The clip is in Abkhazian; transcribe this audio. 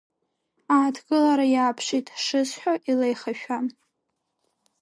Ааҭгылара Иааԥшит шысҳәо илеихашәа…